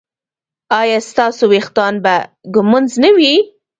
ایا ستاسو ویښتان به ږمنځ نه وي؟